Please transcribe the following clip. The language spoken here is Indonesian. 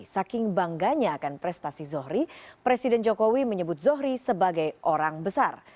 saking bangganya akan prestasi zohri presiden jokowi menyebut zohri sebagai orang besar